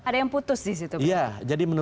ada yang putus di situ